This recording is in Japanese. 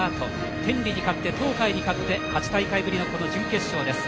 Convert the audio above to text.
天理に勝って東海に勝って８大会ぶりのこの準決勝です。